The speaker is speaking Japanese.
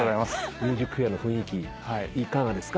『ＭＵＳＩＣＦＡＩＲ』の雰囲気いかがですか？